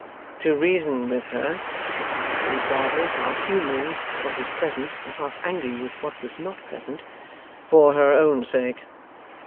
'To reason with her,' pursued Bradley, half humouring what was present, and half angry with what was not present; 'for her own sake.